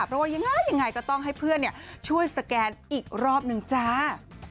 เพราะว่ายังไงยังไงก็ต้องให้เพื่อนช่วยสแกนอีกรอบหนึ่งจ้า